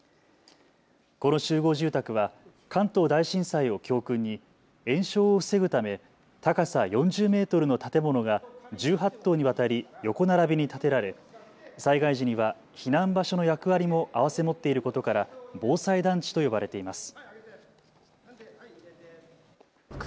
この集合住宅は関東大震災を教訓に延焼を防ぐため高さ４０メートルの建物が１８棟にわたり横並びに建てられ災害時には避難場所の役割も併せ持っていることから防災団地と呼ばれています。